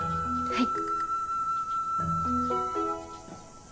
はい。